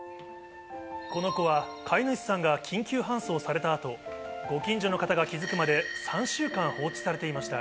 この子は飼い主さんが緊急搬送されたあと、ご近所の方が気付くまで３週間放置されていました。